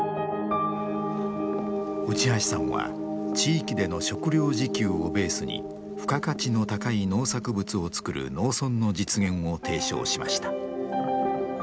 内橋さんは地域での食料自給をベースに付加価値の高い農作物を作る農村の実現を提唱しました。